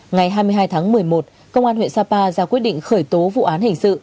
ngày hai mươi hai tháng một mươi một công an huyện sapa ra quyết định khởi tố vụ án hình sự